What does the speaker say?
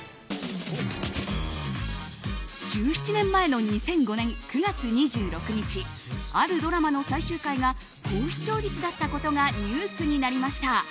１７年前の２００５年９月２６日あるドラマの最終回が高視聴率だったことがニュースになりました。